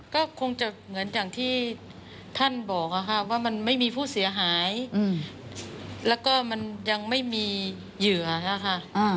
ก็คงจะเหมือนอย่างที่ท่านบอกว่ามันไม่มีผู้เสียหายแล้วก็มันยังไม่มีเหยื่อนะคะ